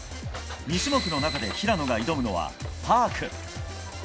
２種目の中で平野が挑むのはパーク。